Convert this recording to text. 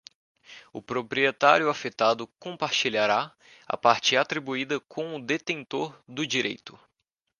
O proprietário afetado compartilhará a parte atribuída com o detentor do direito.